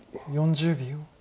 ４０秒。